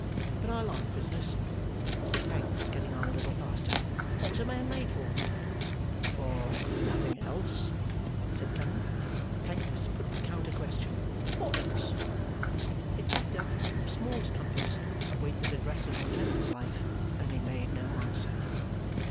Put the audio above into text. But I like business,' said Pancks, getting on a little faster. 'What's a man made for?' 'For nothing else?' said Clennam. Pancks put the counter question, 'What else?' It packed up, in the smallest compass, a weight that had rested on Clennam's life; and he made no answer.